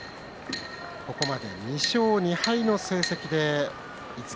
ここまで２勝２敗の成績です。